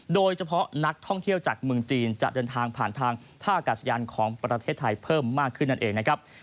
โดยเฉพาะนักท่องเที่ยวจากเมืองจีนจะเดินทางผ่านทางท่าอากาศยานของประเทศไทยเพิ่มมากขึ้นนั่นเองนะครับ